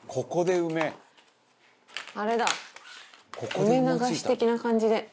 梅流し的な感じで。